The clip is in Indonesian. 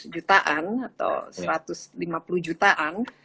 jutaan atau satu ratus lima puluh jutaan